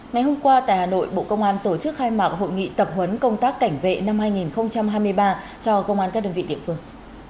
ngày hôm qua tại hà nội bộ công an tổ chức khai mạc hội nghị tập huấn công tác cảnh vệ năm hai nghìn hai mươi ba cho công an các đơn vị địa phương